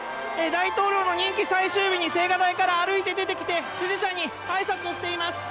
大統領の任期最終日に、青瓦台から歩いて出てきて、支持者にあいさつをしています。